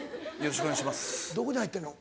どこに入ってんの？